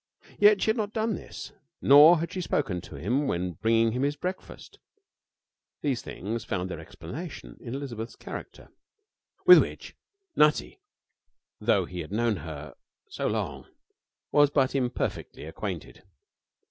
Yet she had not done this, nor had she spoken to him when bringing him his breakfast. These things found their explanation in Elizabeth's character, with which Nutty, though he had known her so long, was but imperfectly acquainted.